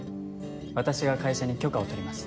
私が会社に許可を取ります。